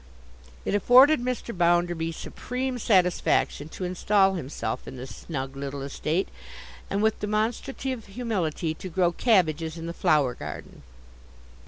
It afforded Mr. Bounderby supreme satisfaction to instal himself in this snug little estate, and with demonstrative humility to grow cabbages in the flower garden.